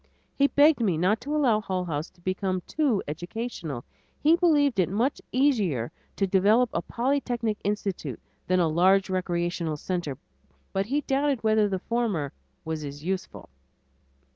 He begged me not to allow Hull House to become too educational. He believed it much easier to develop a polytechnic institute than a large recreational center, but he doubted whether the former was as useful.